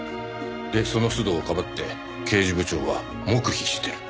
でその須藤をかばって刑事部長は黙秘してる。